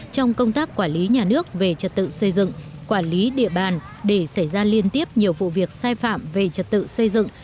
trong công tác quản lý nhà nước về trật tự xây dựng quản lý địa bàn để xảy ra liên tiếp nhiều vụ việc sai phạm về trật tự xây dựng